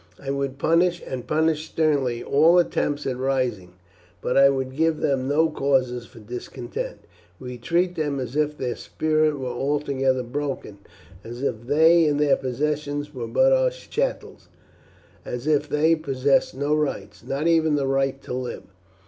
I would punish, and punish sternly, all attempts at rising; but I would give them no causes for discontent. We treat them as if their spirit were altogether broken, as if they and their possessions were but our chattels, as if they possessed no rights, not even the right to live.